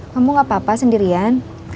kamu gak apa apa sendirian